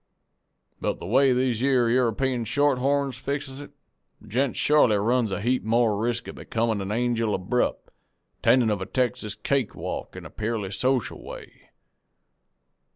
But the way these yere European shorthorns fixes it, a gent shorely runs a heap more resk of becomin' a angel abrupt, attendin' of a Texas cake walk in a purely social way.